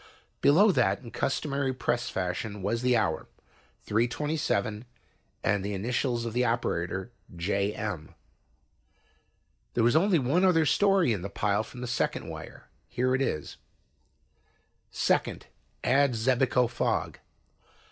Below that in customary press fashion was the hour, 3:27, and the initials of the operator, JM. There was only one other story in the pile from the second wire. Here it is: "2nd add Xebico Fog.